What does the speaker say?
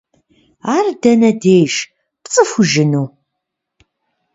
Ар дэнэ деж? ПцӀыхужыну?